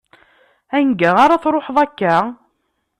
Anga ar ad tṛuḥeḍ akka?